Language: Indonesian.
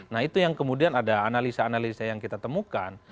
nah itu yang kemudian ada analisa analisa yang kita temukan